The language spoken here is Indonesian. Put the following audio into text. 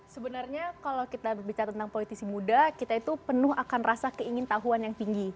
sebenarnya kalau kita berbicara tentang politisi muda kita itu penuh akan rasa keingin tahuan yang tinggi